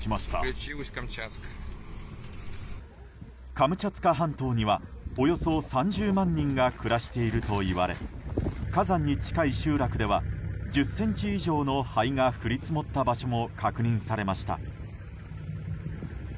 カムチャツカ半島にはおよそ３０万人が暮らしているといわれ火山に近い集落では１０ｃｍ以上の灰が降り積もった場所も確認されました。